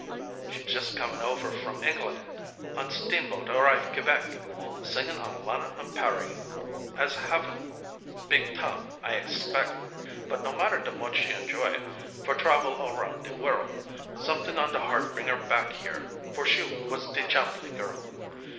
"She's jus' comin' over from Englan', on steamboat arrive Kebeck, Singin' on Lunnon an' Paree, an' havin' beeg tam, I ex pec', But no matter de moche she enjoy it, for travel all roun' de worl', Somet'ing on de heart bring her back here, for she was de Chambly girl.